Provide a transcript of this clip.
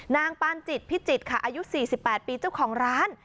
ปานจิตพิจิตรค่ะอายุ๔๘ปีเจ้าของร้าน